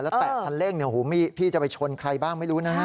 แล้วแตะคันเร่งพี่จะไปชนใครบ้างไม่รู้นะฮะ